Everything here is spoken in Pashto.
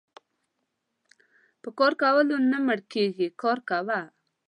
په کار کولو نه مړکيږي کار کوه .